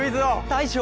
大将！